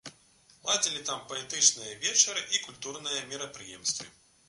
Ладзілі там паэтычныя вечары і культурныя мерапрыемствы.